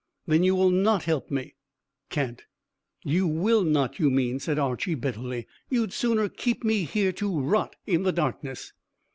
"Then you will not help me?" "Can't." "You will not, you mean," said Archy bitterly. "You'd sooner keep me here to rot in the darkness."